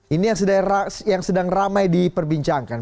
ini yang sedang ramai diperbincangkan